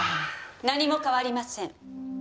何も変わりません。